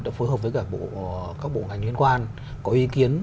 đã phối hợp với cả các bộ ngành liên quan có ý kiến